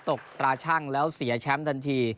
ตกตราชั่งแล้วเสียแชมป์ทันที